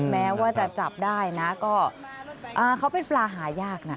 แม้ว่าจะจับได้นะก็เขาเป็นปลาหายากนะ